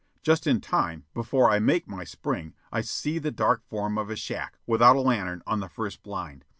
Just in time, before I make my spring, I see the dark form of a shack, without a lantern, on the first blind.